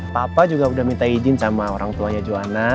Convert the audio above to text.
papa juga udah minta izin sama orang tuanya juana